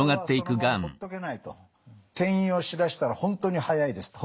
転移をしだしたら本当に速いですと。